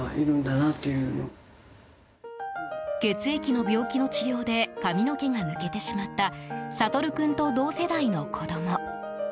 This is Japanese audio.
血液の病気の治療で髪の毛が抜けてしまった惺君と同世代の子供。